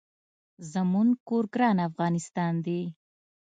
زمونږ کور ګران افغانستان دي